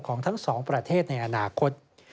ของทั้งสองประเทศในอนาคต